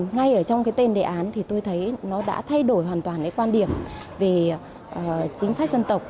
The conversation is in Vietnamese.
ngay ở trong cái tên đề án thì tôi thấy nó đã thay đổi hoàn toàn cái quan điểm về chính sách dân tộc